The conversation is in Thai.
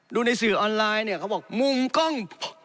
ดูในสื่อออนไลน์เนี่ยเขาบอกมุมกล้อง